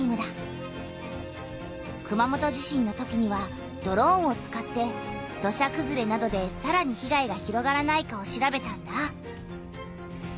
熊本地震のときにはドローンを使って土砂くずれなどでさらに被害が広がらないかを調べたんだ。